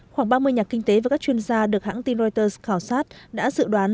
khoảng ba mươi nhà kinh tế và các chuyên gia được hãng tin reuters khảo sát đã dự đoán